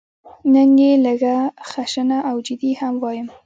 نن یې لږه خشنه او جدي هم وایم.